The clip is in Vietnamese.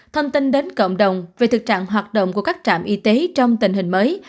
thông tin đến cộng đồng về thực trạng hoạt động của các trạm y tế trong tình hình mới